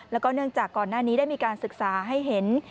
แล้วก็เนื่องจากก่อนหน้านี้ได้มีการศึกษาให้เห็น